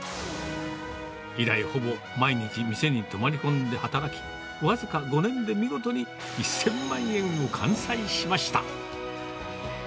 以来、ほぼ毎日店に泊まり込んで働き、僅か５年で見事に１０００万円を完済しました。